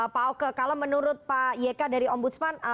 pak oke kalau menurut pak yk dari ombudsman